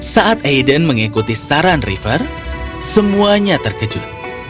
saat aiden mengikuti saran river semuanya terkejut